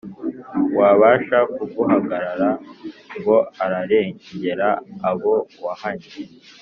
wabasha kuguhangara ngo ararengera abo wahannye.